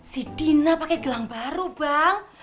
si dina pakai gelang baru bang